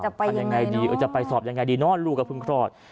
แต่ไปยังไงดีจะไปสอบยังไงดีนอนลูกก็พึ่งคลอด